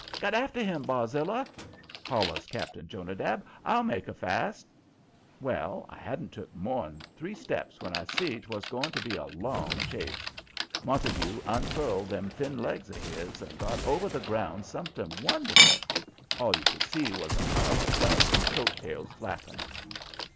"Get after him, Barzilla!" hollers Cap'n Jonadab. "I'll make her fast." Well, I hadn't took more'n three steps when I see 'twas goin' to be a long chase. Montague unfurled them thin legs of his and got over the ground something wonderful. All you could see was a pile of dust and coat tails flapping.